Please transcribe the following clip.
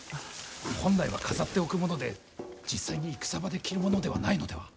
本来は飾っておくもので実際に戦場で着るものではないのでは。